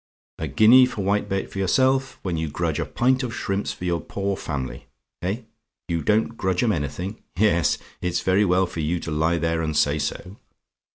A guinea for whitebait for yourself, when you grudge a pint of shrimps for your poor family. Eh? "YOU DON'T GRUDGE 'EM ANYTHING? "Yes, it's very well for you to lie there and say so.